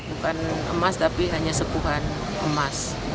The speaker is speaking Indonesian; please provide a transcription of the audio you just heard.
bukan emas tapi hanya sepuhan emas